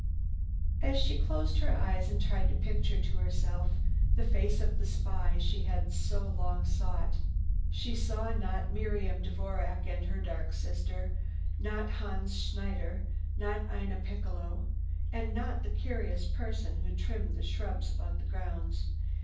As she closed her eyes and tried to picture to herself the face of the spy she had so long sought, she saw not Miriam Dvorac and her dark sister, not Hans Schneider, not Ina Piccalo and not the curious person who trimmed the shrubs about the grounds.